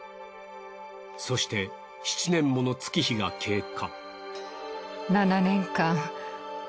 そして７年もの月日が経過。